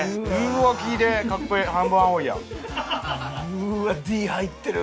うーわ「Ｄ」入ってる。